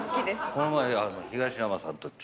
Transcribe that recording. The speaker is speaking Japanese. この前。